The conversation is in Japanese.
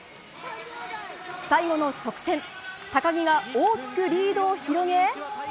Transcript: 最後の直線高木が大きくリードを広げ。